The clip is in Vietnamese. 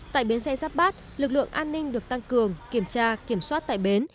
tại bến xe giáp bát lực lượng an ninh được tăng cường kiểm tra kiểm soát tại bến